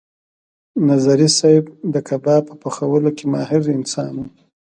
نظري صیب د کباب په پخولو کې ماهر انسان و.